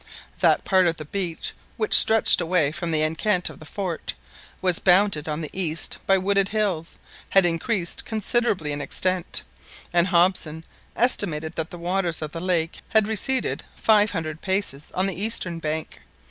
That part of the beach which stretched away from the enceinte of the fort, and was bounded on the east by wooded hills, had increased considerably in extent; and Hobson estimated that the waters of the lake had receded five hundred paces on the eastern bank.